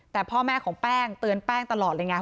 แต่พ่อแม่ของแป้งเตือนแป้งตลอดเลยไง